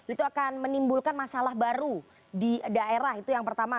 itu akan menimbulkan masalah baru di daerah itu yang pertama